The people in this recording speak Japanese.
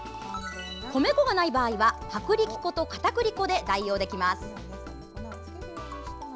米粉がない場合は、薄力粉とかたくり粉で代用できます。